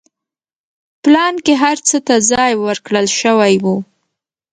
پلان کې هر څه ته ځای ورکړل شوی و.